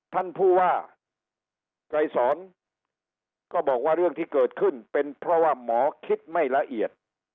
ท่านผู้ว่าไกรสอนก็บอกว่าเรื่องที่เกิดขึ้นเป็นเพราะว่าหมอคิดไม่ละเอียด